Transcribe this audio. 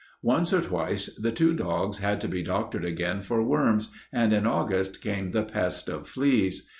Once or twice the two dogs had to be doctored again for worms, and in August came the pest of fleas.